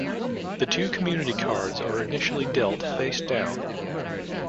The two community cards are initially dealt face down.